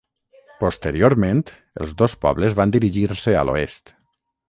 Posteriorment els dos pobles van dirigir-se a l'oest.